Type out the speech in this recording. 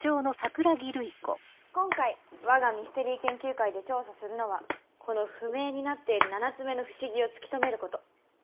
今回わがミステリー研究会で調査するのはこの不明になっている７つ目の不思議を突き止めること。